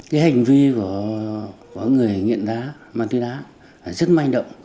cái hành vi của người nghiện đá ma túy đá rất manh động